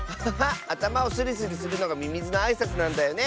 あたまをスリスリするのがミミズのあいさつなんだよね。